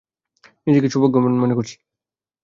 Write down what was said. নিজেকে সৌভাগ্যবান মনে করছি।